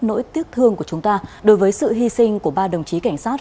nỗi tiếc thương của chúng ta đối với sự hy sinh của ba đồng chí cảnh sát